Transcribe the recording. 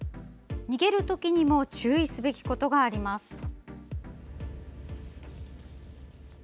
逃げるときにも注意すべきことがあります。